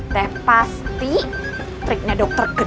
teh pasti triknya dokter gede